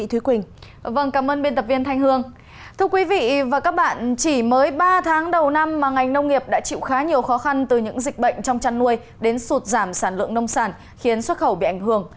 thưa quý vị và các bạn chỉ mới ba tháng đầu năm mà ngành nông nghiệp đã chịu khá nhiều khó khăn từ những dịch bệnh trong chăn nuôi đến sụt giảm sản lượng nông sản khiến xuất khẩu bị ảnh hưởng